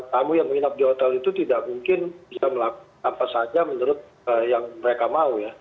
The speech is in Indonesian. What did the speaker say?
tamu yang menginap di hotel itu tidak mungkin bisa melakukan apa saja menurut yang mereka mau ya